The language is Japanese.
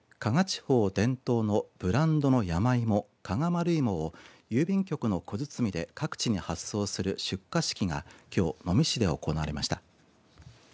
地方伝統のブランドの山芋、加賀丸いもを郵便局の小包で各地に発送する出荷式がきょう能美市で行われました。